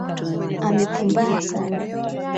Amepumbaa sana